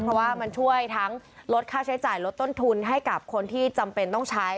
เพราะว่ามันช่วยทั้งลดค่าใช้จ่ายลดต้นทุนให้กับคนที่จำเป็นต้องใช้